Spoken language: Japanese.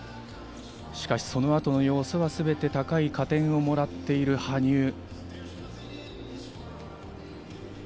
しかしその後の要素はすべて高い加点をもらっている羽生。